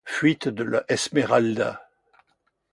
Fuite de la Esmeralda.